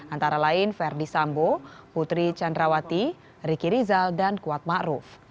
antara lain ferdi sambo putri candrawati riki rizal dan kuatma'ruf